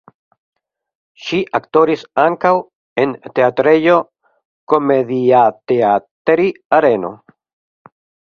Ŝi aktoris ankaŭ en teatrejo "Komediateatteri Areno".